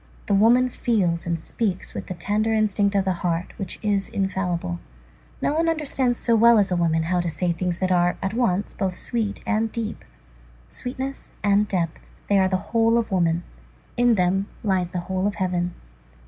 The woman feels and speaks with the tender instinct of the heart, which is infallible. No one understands so well as a woman, how to say things that are, at once, both sweet and deep. Sweetness and depth, they are the whole of woman; in them lies the whole of heaven.